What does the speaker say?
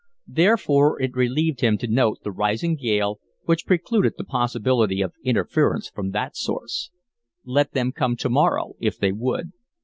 Therefore, it relieved him to note the rising gale, which precluded the possibility of interference from that source. Let them come to morrow if they would.